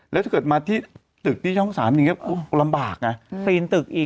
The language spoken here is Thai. แล้วถ้าเกิดมาที่ตึกที่ช่อง๓อย่างงี้โอ๊ยลำบากไง